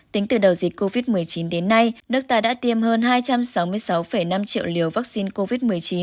tính từ đầu dịch covid một mươi chín đến nay nước ta đã tiêm hơn hai trăm sáu mươi sáu năm triệu liều vaccine covid một mươi chín